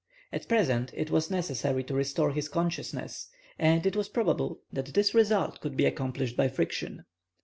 At present, it was necessary to restore his consciousness, and it was probable that this result could be accomplished by friction.